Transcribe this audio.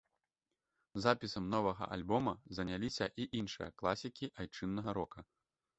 Запісам новага альбома заняліся і іншыя класікі айчыннага рока.